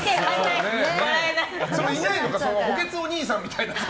いないんですか補欠おにいさんみたいな。